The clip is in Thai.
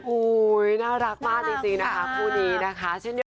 อุ้ยน่ารักมากจริงนะครับพูดดีนะคะ